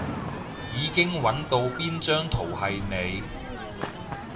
已經搵到邊張圖係你